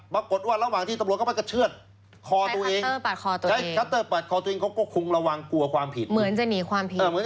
มาก่วดว่าระหว่างที่ตำรวจเข้ากระเชือด